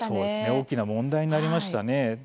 大きな問題になりましたね。